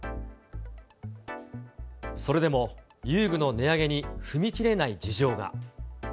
それでも遊具の値上げに踏み切れない事情が。